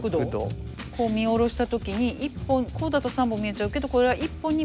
こう見下ろした時にこうだと３本見えちゃうけどこれが１本に見える角度。